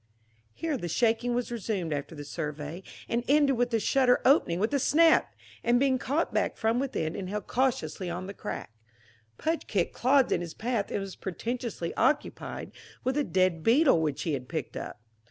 Here the shaking was resumed after the survey, and ended with the shutter opening with a snap and being caught back from within and held cautiously on the crack. Pudge kicked clods in his path and was pretentiously occupied with a dead beetle which he had picked up.